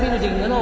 の